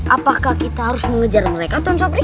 apakah kita harus mengejar mereka ton sopri